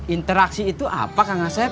interaksi itu apa kang asep